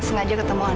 saya tidak akan marah